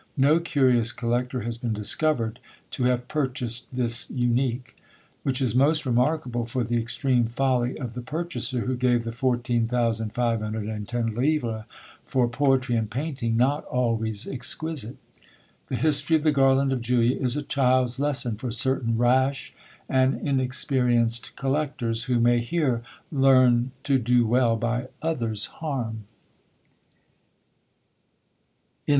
No curious collector has been discovered to have purchased this unique; which is most remarkable for the extreme folly of the purchaser who gave the 14,510 livres for poetry and painting not always exquisite. The history of the Garland of Julia is a child's lesson for certain rash and inexperienced collectors, who may here Learn to do well by others harm.